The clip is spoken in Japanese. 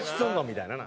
みたいな。